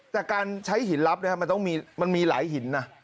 แต่การใช้หินลับมันต้องมันมีหลายหินนะ